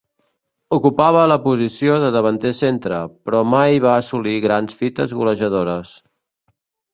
Ocupava la posició de davanter centre, però mai va assolir grans fites golejadores.